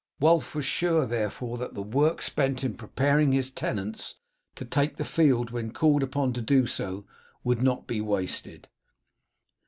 Wulf was sure, therefore, that the work spent in preparing his tenants to take the field when called upon to do so, would not be wasted.